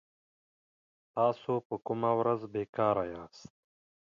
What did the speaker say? تاسو په کومه ورځ بي کاره ياست